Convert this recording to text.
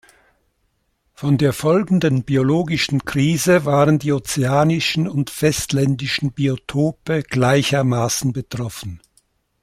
Von der folgenden biologischen Krise waren die ozeanischen und festländischen Biotope gleichermaßen betroffen.